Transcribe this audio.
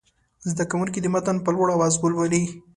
زده کوونکي دې متن په لوړ اواز ولولي.